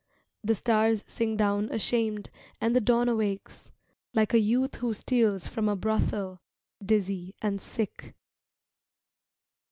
The stars sink down ashamed And the dawn awakes, Like a youth who steals from a brothel, Dizzy and sick.